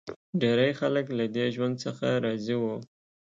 ډېری خلک له دې ژوند څخه راضي و.